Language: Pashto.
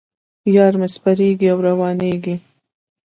یار مې سپریږي او روانېږي.